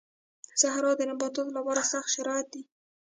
صحرا د نباتاتو لپاره سخت شرايط